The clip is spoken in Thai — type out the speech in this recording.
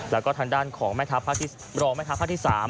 แล้วก็ทางด้านของแม่ทะพรองแม่ทะพที่๓